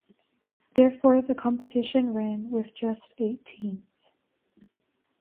Therefore the competition ran with just eight teams.